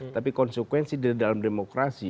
tapi konsekuensi di dalam demokrasi